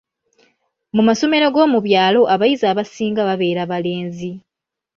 Mu masomero g’omu byalo abayizi abasinga baabeeranga balenzi.